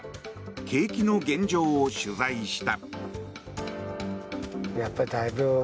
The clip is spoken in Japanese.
景気の現状を取材した。